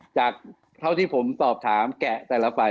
เท่าที่ผมสอบถามแกะแต่ละฝ่าย